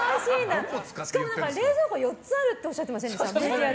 しかも冷凍庫４つあるっておっしゃってませんでした？